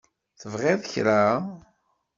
Tebɣiḍ kra?